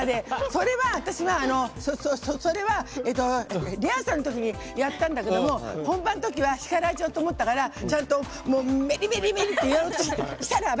それは、私はリハーサルのときにやったんだけども本番のときは叱られちゃうと思ったからちゃんと、メリメリメリってやろうとしたらば